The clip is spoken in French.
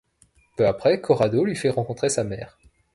Peu après, Corrado lui fait rencontrer sa mère.